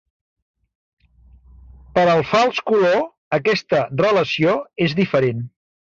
Per al fals color aquesta relació és diferent.